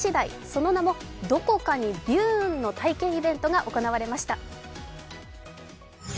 その名も「どこかにビューーン！」の体験イベントが行われました。